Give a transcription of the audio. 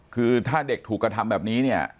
คือถ้าเด็กถูกกระทำแบบนี้เนี่ย